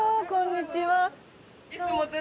こんにちは。